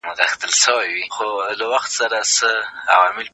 څېړني د اقتصاد د پرمختګ محرک ځواک دی.